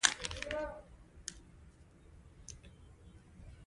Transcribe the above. افغانستان کې د طلا په اړه زده کړه کېږي.